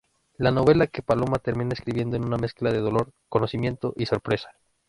La novela que Paloma termina escribiendo es una mezcla de dolor, conocimiento y sorpresa.